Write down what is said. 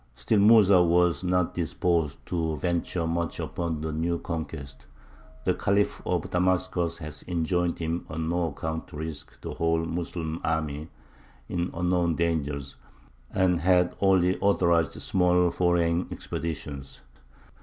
Still Mūsa was not disposed to venture much upon the new conquest. The Khalif of Damascus had enjoined him on no account to risk the whole Moslem army in unknown dangers, and had only authorized small foraying expeditions.